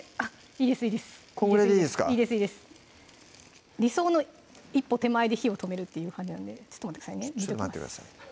いいです理想の一歩手前で火を止めるっていう感じなんでちょっと待ってくださいねちょっと待ってください